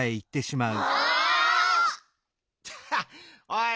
おい！